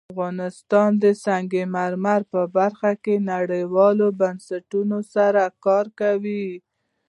افغانستان د سنگ مرمر په برخه کې نړیوالو بنسټونو سره کار کوي.